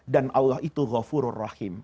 dan allah itu ghafurur rahim